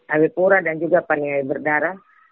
awipura dan juga paningai berdarah